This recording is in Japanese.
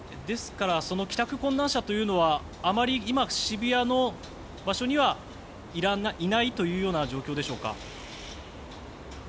ですから帰宅困難者というのはあまり今、渋谷の場所にはいないというような状況でしょうか。